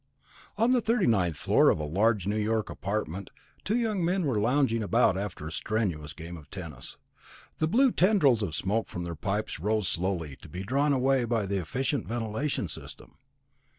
On the thirty ninth floor of a large New York apartment two young men were lounging about after a strenuous game of tennis. The blue tendrils of smoke from their pipes rose slowly, to be drawn away by the efficient ventilating system.